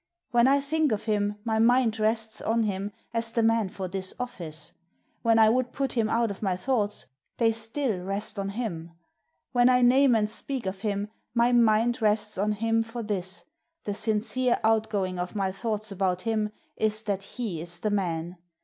When I think of him, my mind rests on him as the man for this ofl&ce; when I would put him out of my thoughts, they still rest on him; when I name and speak of him, my mind rests on him for this; the sincere outgoing of my thoughts about him is that he is the man.